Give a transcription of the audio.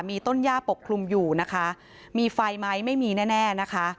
มีต้นย่าปกคลุมอยู่นะคะมีไฟไหมไม่มีแน่แน่นะคะ